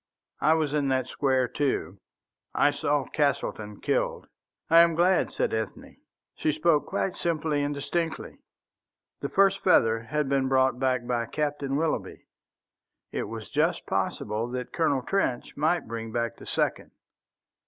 I was in that square, too. I saw Castleton killed." "I am glad," said Ethne. She spoke quite simply and distinctly. The first feather had been brought back by Captain Willoughby. It was just possible that Colonel Trench might bring back the second.